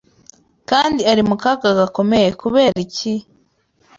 Kandi ari mu kaga gakomeye Kubera iki